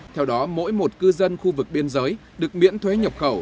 theo đó mỗi một cư dân khu vực biên giới được miễn thuế nhập khẩu